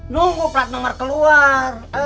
nunggu plat nomor keluar